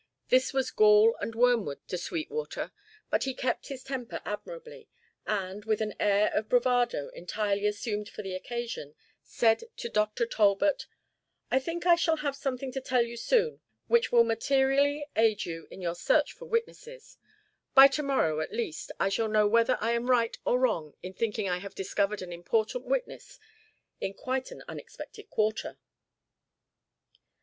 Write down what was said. This was gall and wormwood to Sweetwater, but he kept his temper admirably and, with an air of bravado entirely assumed for the occasion, said to Dr. Talbot: "I think I shall have something to tell you soon which will materially aid you in your search for witnesses. By to morrow, at least, I shall know whether I am right or wrong in thinking I have discovered an important witness in quite an unexpected quarter."